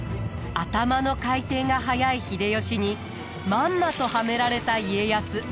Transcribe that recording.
頭の回転が速い秀吉にまんまとはめられた家康。